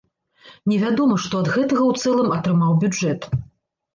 Невядома, што ад гэтага ў цэлым атрымаў бюджэт.